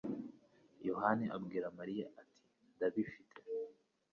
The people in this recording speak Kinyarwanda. Yohana abwira Mariya ati: "Ndabifite!